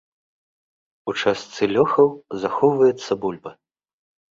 У частцы лёхаў захоўваецца бульба.